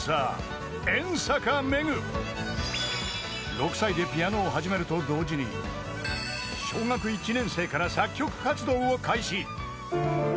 ［６歳でピアノを始めると同時に小学１年生から作曲活動を開始］